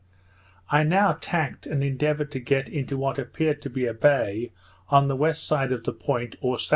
I now tacked, and endeavoured to get into what appeared to be a bay, on the west side of the point or S.E.